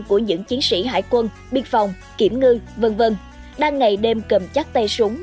của những chiến sĩ hải quân biên phòng kiểm ngư v v đang ngày đêm cầm chắc tay súng